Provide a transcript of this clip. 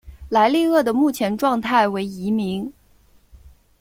莱利鳄的目前状态为疑名。